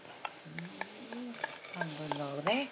半分のね